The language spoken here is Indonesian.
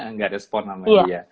nggak respon sama dia